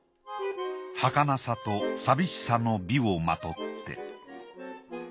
はかなさと寂しさの美をまとって。